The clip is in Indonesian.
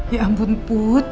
ya ampun put